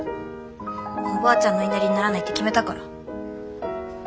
おばあちゃんの言いなりにならないって決めたから。